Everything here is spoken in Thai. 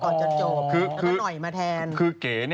ก็หน่อยมาแทน